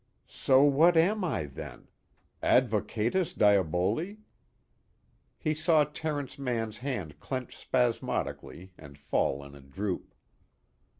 So what am I then? Advocatus diaboli? He saw Terence Mann's hand clench spasmodically and fall in a droop.